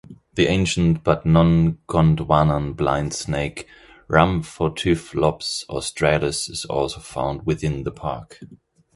The ancient but non-gondwanan blind snake Ramphotyphlops australis is also found within the park.